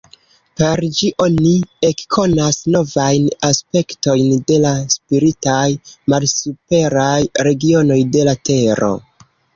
Per ĝi oni ekkonas novajn aspektojn de la spiritaj malsuperaj regionoj de la Tero.